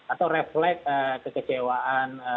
atau refleks kekecewaan